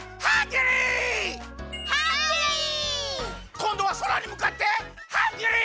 こんどはそらにむかってハングリー！